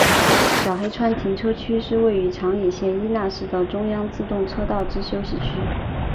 小黑川停车区是位于长野县伊那市的中央自动车道之休息区。